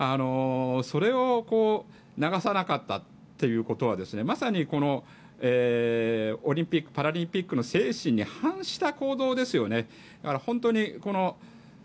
それを流さなかったっていうことはまさにオリンピック・パラリンピックの精神に反した行動ですよね。